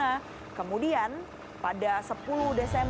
dan mengambil ikan secara ilegal di natuna